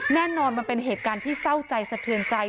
มันเป็นเหตุการณ์ที่เศร้าใจสะเทือนใจ